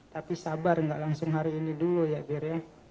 tapi sabar tidak langsung hari ini dulu ya bir